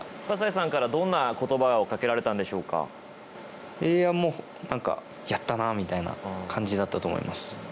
葛西さんからどんなことばをかけられたんもう何かやったなみたいな感じだったと思います。